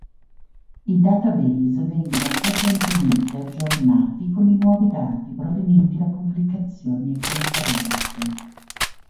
I database vengono frequentemente aggiornati con i nuovi dati provenienti da pubblicazioni e conferenze.